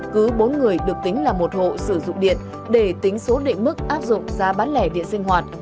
cứ bốn người được tính là một hộ sử dụng điện để tính số định mức áp dụng giá bán lẻ điện sinh hoạt